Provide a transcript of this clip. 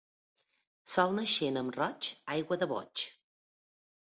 Sol naixent amb roig, aigua de boig.